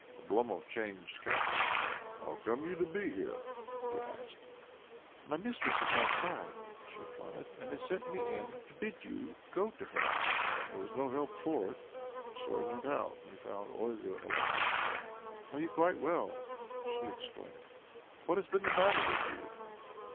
Oblomov chaдged countenaince . "How come you to be here?" he asked. " My mistress is outside," she replied, " and has sent me in to bid you go to her." There was no help for it, so he went out, and found Olga alone. "Are you quite well?" she exclaimed. " What has been the matter with you